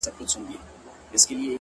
• راسه چي زړه مي په لاسو کي درکړم ـ